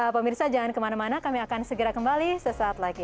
pemirsa jangan kemana mana kami akan segera kembali sesaat lagi